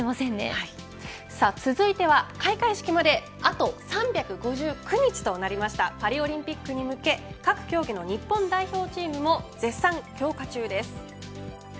続いては、開会式まであと３５９日となりましたパリオリンピックに向け各競技の日本代表チームも絶賛強化中です。